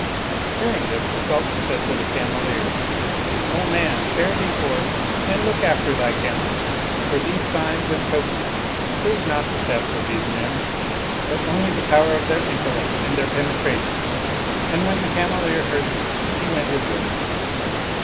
Hearing this the Sul tan said to the Cameleer, " O man, fare thee forth and look after thy camel; for these signs and tokens prove not the theft of these men, but only the power of their intellect and their penetration." And when the Cameleer heard this, he went his ways.